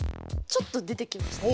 ちょっと出てきました。